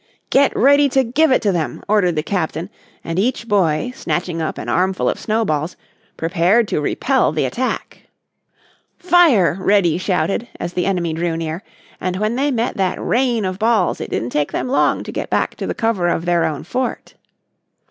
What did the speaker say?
"Get ready to give it to them," ordered the Captain and each boy, snatching up an armful of snowballs, prepared to repel the attack. "Fire!" Reddy shouted, as the enemy drew near, and when they met that rain of balls it didn't take them long to get back to the cover of their own fort.